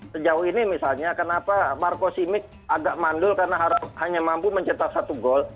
sejauh ini misalnya kenapa marco simic agak mandul karena hanya mampu mencetak satu gol